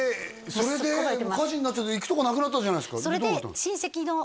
それで火事になっちゃって行くとこなくなったじゃないですかどうなったんですか？